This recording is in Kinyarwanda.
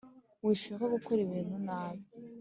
Wishaka gukora ibintu nabi